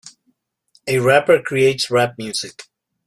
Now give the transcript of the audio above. A rapper creates rap music.